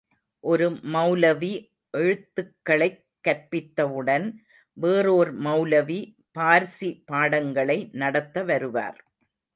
ஒரு மெளலவி எழுத்துக்களைக் கற்பித்தவுடன் வேறோர் மெளலவி பார்சி பாடங்களை நடத்த வருவார்.